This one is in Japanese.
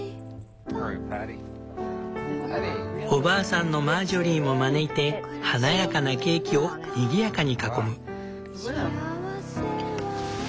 おばあさんのマージョリーも招いて華やかなケーキをにぎやかに囲む。